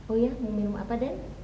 oh iya minum apa den